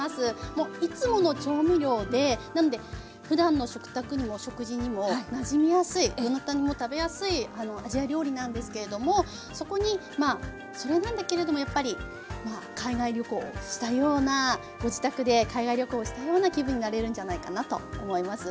もういつもの調味料でふだんの食卓にも食事にもなじみやすいどなたにも食べやすいあのアジア料理なんですけれどもそこにそれなんだけれどもやっぱりまあ海外旅行したようなご自宅で海外旅行したような気分になれるんじゃないかなと思います。